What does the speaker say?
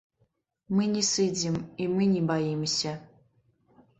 Мы не сыдзем, і мы не баімся.